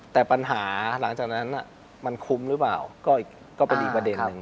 แต่ปัญหาหลังจากนั้นมันคุ้มหรือเปล่าก็เป็นอีกประเด็นหนึ่ง